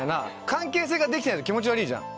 関係性ができてないと気持ち悪いじゃん。